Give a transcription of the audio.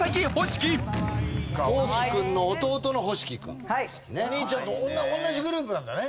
お兄ちゃんと同じグループなんだね。